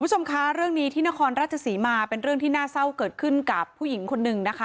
คุณผู้ชมคะเรื่องนี้ที่นครราชศรีมาเป็นเรื่องที่น่าเศร้าเกิดขึ้นกับผู้หญิงคนหนึ่งนะคะ